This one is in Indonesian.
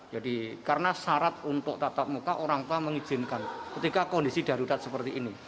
jadi karena syarat untuk tatap muka orang tua mengizinkan ketika kondisi darurat seperti ini